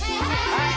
はい！